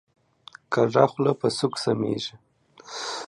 کږه خوله په سوک سمیږي